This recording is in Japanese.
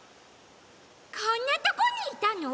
こんなとこにいたの？